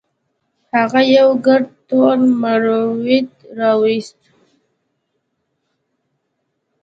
هغه یو ګرد تور مروارید راوویست.